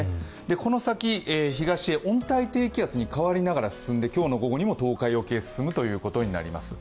この先、東へ温帯低気圧に変わりながら進んで進んで、今日の午後にも東海沖へ進むということになります。